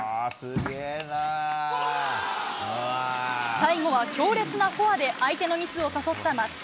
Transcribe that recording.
最後は強烈なフォアで相手のミスを誘った松島。